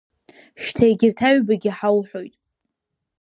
Шьҭа егьырҭ аҩбагьы ҳауҳәоит.